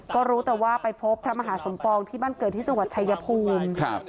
ก็รู้แต่ว่าไปพบพระมหาสมปองที่บ้านเกิดที่จังหวัดชายภูมิครับ